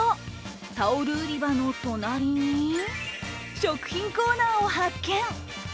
タオル売り場の隣に食品コーナーを発見。